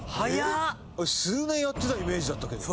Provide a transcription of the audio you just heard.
数年やってたイメージだったけど。